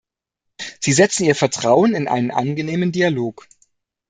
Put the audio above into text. Sie setzen Ihr Vertrauen in einen angenehmen Dialog.